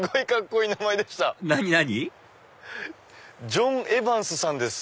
「ジョンエバンス」さんです。